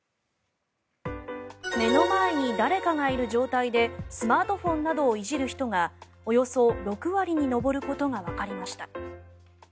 目の前に誰かがいる状態でスマートフォンなどをいじる人がおよそ６割に上ることがわかりました。